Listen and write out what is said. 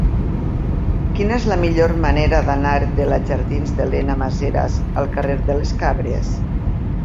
Quina és la millor manera d'anar de la jardins d'Elena Maseras al carrer de les Cabres?